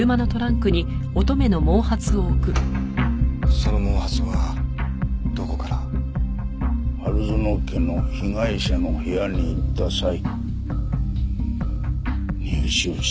その毛髪はどこから？春薗家の被害者の部屋に行った際入手したものです。